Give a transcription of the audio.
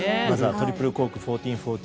まずはトリプルコーク１４４０